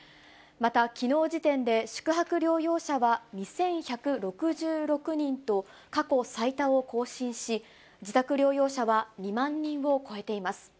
また、きのう時点で宿泊療養者は２１６６人と、過去最多を更新し、自宅療養者は２万人を超えています。